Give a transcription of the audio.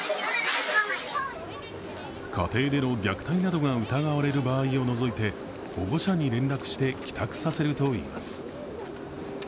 家庭での虐待などが疑われる場合を除いて保護者に連絡して、帰宅させるといいます。